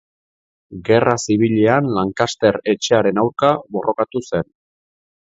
Gerra Zibilean Lancaster etxearen aurka borrokatu zen.